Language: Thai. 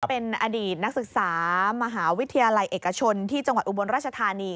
เป็นอดีตนักศึกษามหาวิทยาลัยเอกชนที่จังหวัดอุบลราชธานี